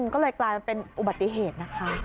ก็เลยกลายเป็นอุบัติเหตุ